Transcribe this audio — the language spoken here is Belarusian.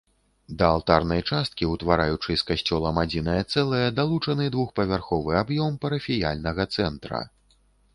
Да алтарнай часткі, утвараючы з касцёлам адзінае цэлае, далучаны двухпавярховы аб'ём парафіяльнага цэнтра.